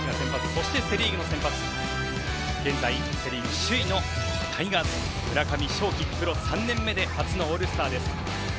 そして、セ・リーグの先発は現在、セ・リーグ首位のタイガース、村上頌樹プロ３年目で初のオールスターです。